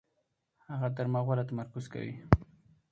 هغه تر ما غوره تمرکز کوي.